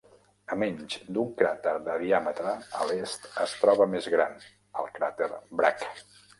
A menys d'un cràter de diàmetre a l'est es troba més gran, el cràter Bragg.